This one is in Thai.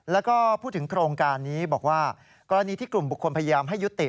แล้วก็พูดถึงโครงการนี้บอกว่ากรณีที่กลุ่มบุคคลพยายามให้ยุติ